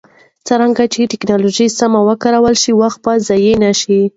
څرنګه چې ټکنالوژي سمه وکارول شي، وخت به ضایع نه شي.